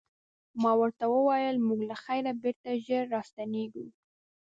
ما ورته وویل موږ له خیره بېرته ژر راستنیږو.